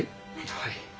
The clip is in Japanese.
はい。